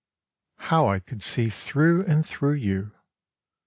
HOW I could see through and through you